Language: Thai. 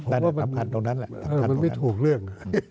เพราะว่ามันมันไม่ถูกเรื่อง